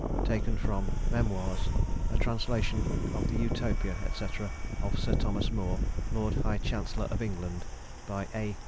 Memoirs. A translation of the Utopia, &c, of Sir Thomas Moore, Lord High Chancellor of England. By A.